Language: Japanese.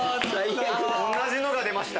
同じのが出ました。